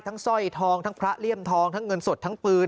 สร้อยทองทั้งพระเลี่ยมทองทั้งเงินสดทั้งปืน